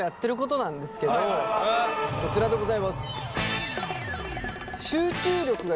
こちらでございます！